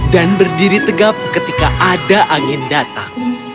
dan berdiri tegap ketika ada angin datang